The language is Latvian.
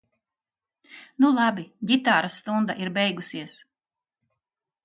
Nu labi. Ģitāras stunda ir beigusies.